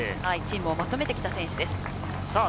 チームをまとめてきた選手です。